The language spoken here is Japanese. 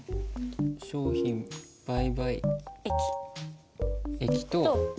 商品売買益と。